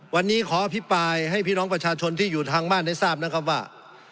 วันนี้ขออภิปรายให้พี่น้องประชาชนที่อยู่ทางบ้านได้ทราบนะครับว่า